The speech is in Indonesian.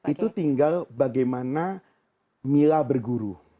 itu tinggal bagaimana mila berguru